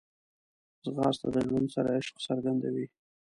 ځغاسته د ژوند سره عشق څرګندوي